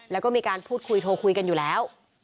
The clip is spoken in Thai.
แล้วก็มีการพูดคุยโทรคุยกันอยู่แล้ว